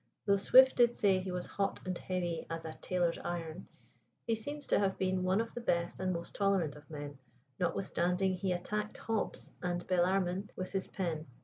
Though Swift did say he was "hot and heavy as a tailor's iron," he seems to have been one of the best and most tolerant of men, notwithstanding he attacked Hobbes and Bellarmine with his pen.